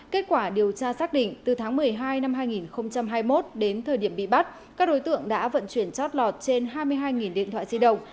kết quả điều tra xác định từ tháng một mươi hai năm hai nghìn hai mươi một đến thời điểm bị bắt các đối tượng đã vận chuyển chót lọt trên hai mươi hai điện thoại di động